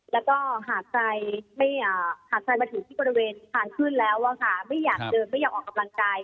แล้วก็หากใครหากใครมาถึงที่บริเวณทางขึ้นแล้วไม่อยากเดินไม่อยากออกกำลังกาย